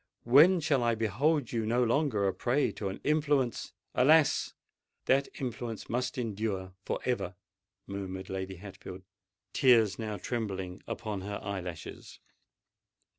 When shall I behold you no longer a prey to an influence——" "Alas! that influence must endure for ever!" murmured Lady Hatfield, tears now trembling upon her eye lashes.